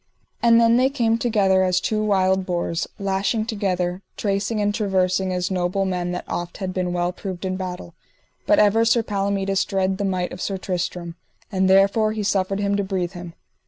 And then they came together as two wild boars, lashing together, tracing and traversing as noble men that oft had been well proved in battle; but ever Sir Palomides dread the might of Sir Tristram, and therefore he suffered him to breathe him.